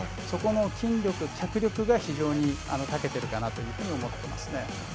そこの筋力脚力が非常にたけているかなというふうに思ってますね。